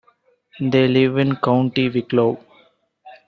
They live in County Wicklow.